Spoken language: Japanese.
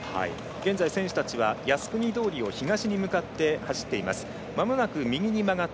現在、選手たちは靖国通を東に向かって走っています。